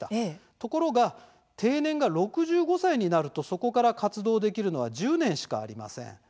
ところが定年が６５歳になるとそこから活動できるのは１０年しかありません。